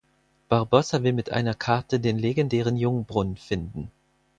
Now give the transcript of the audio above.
Barbossa will mit einer Karte den legendären Jungbrunnen finden.